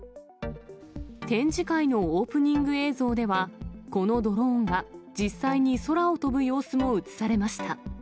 展示会のオープニング映像では、このドローンが実際に空を飛ぶ様子も映されました。